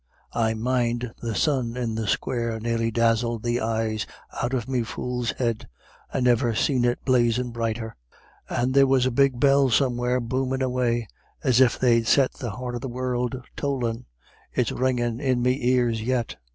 I mind the sun in the square nearly dazzled the eyes out of me fool's head. I niver seen it blazin' brighter and there was a big bell somewhere boomin' away, as if they'd set the heart of the world tollin'; it's ringin' in me ears yet....